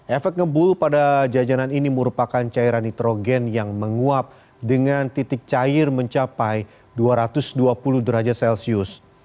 efek ngebul pada jajanan ini merupakan cairan nitrogen yang menguap dengan titik cair mencapai dua ratus dua puluh derajat celcius